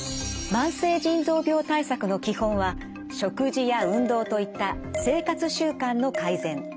慢性腎臓病対策の基本は食事や運動といった生活習慣の改善。